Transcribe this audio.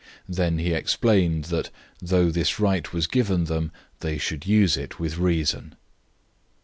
Then he explained that though this right was given them they should use it with reason.